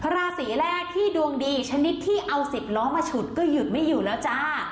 ราศีแรกที่ดวงดีชนิดที่เอา๑๐ล้อมาฉุดก็หยุดไม่อยู่แล้วจ้า